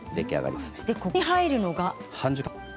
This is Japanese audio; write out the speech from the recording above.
そして、ここに入るのが。